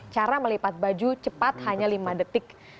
cara melipat baju cepat hanya lima detik